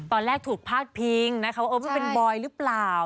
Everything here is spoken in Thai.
ตอนแรกถูกพลาดพิงนะครับว่าเป็นบอยหรือเปล่า